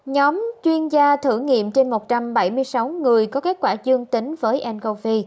nhóm chuyên gia thử nghiệm trên một trăm bảy mươi sáu người có kết quả dương tính với ncov